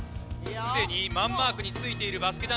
すでにマンマークについているバスケ男子の面々。